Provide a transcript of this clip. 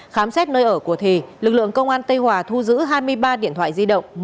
khám xét nơi ở của thì lực lượng công an tây hòa thu giữ hai mươi ba điện thoại di động